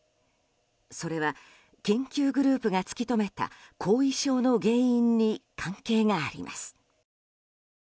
それは研究グループが突き止めた後遺症の原因に関係があります。